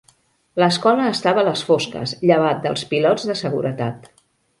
L'escola estava a les fosques, llevat dels pilots de seguretat.